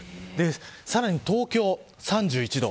さらに、東京３１度。